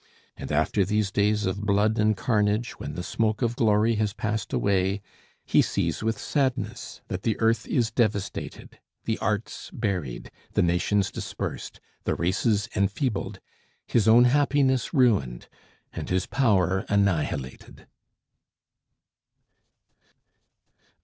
And after these days of blood and carnage, when the smoke of glory has passed away, he sees with sadness that the earth is devastated, the arts buried, the nations dispersed, the races enfeebled, his own happiness ruined, and his power annihilated.